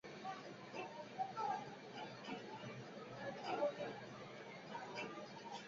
ইতিহাস, আন্তর্জাতিক সম্পর্ক এবং পাবলিক পলিসি নিয়ে তার অনেক প্রকাশনা রয়েছে।